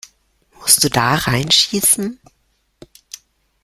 Musst du da reinschießen?